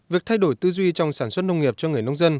việc thay đổi tư duy trong sản xuất nông nghiệp cho người nông dân